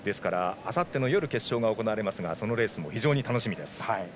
あさっての夜決勝が行われますがそのレースも非常に楽しみです。